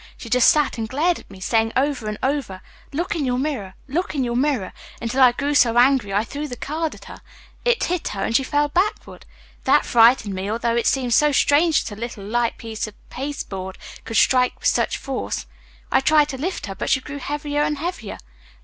She just sat and glared at me, saying over and over, 'Look in your mirror, look in your mirror,' until I grew so angry I threw the card at her. It hit her and she fell backward. That frightened me, although it seemed so strange that a little, light piece of pasteboard could strike with such force. I tried to lift her, but she grew heavier and heavier.